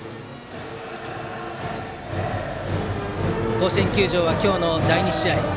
甲子園球場は今日の第２試合。